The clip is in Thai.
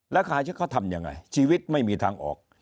แล้วใครเขาทำยังไงชีวิตไม่มีทางออก